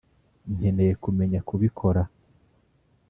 nkeneye kumenya kubikora.